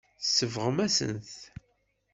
Tsebɣem-asen-t.